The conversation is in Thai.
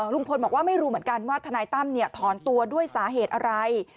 ลุงพลบอกว่าไม่รู้เหมือนกันว่าทนายตั้มถอนตัวด้วยสาเหตุอะไร